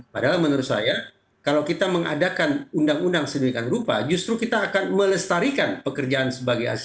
padahal menurut saya kalau kita mengadakan undang undang sedemikian rupa justru kita akan melestarikan pekerjaan sebagai aset